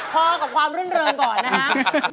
ทั้งแรกพอกับความรื่นเริงก่อนนะครับ